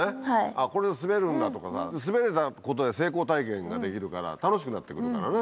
あぁこれで滑るんだとかさ滑れたことで成功体験ができるから楽しくなって来るからね。